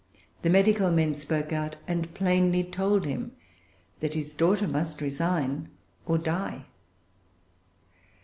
The medical men spoke out, and plainly told him that his daughter must resign or die.